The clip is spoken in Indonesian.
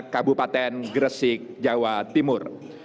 kabupaten gresik jawa timur